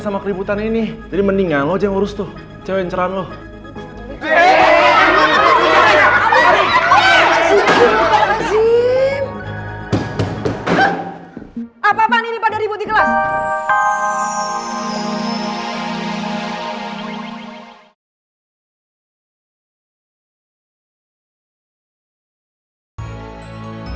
sampai jumpa di video selanjutnya